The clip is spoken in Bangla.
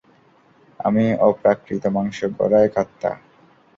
আমি অপ্রাকৃত মাংস গড়া এক আত্মা।